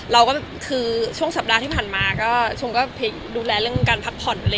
เราช่วงสัปดาห์ที่หันมาก็ดูแลเรื่องการพักผ่อน